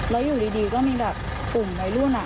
แล้วอยู่ดีก็มีแบบกลุ่มวัยรุ่น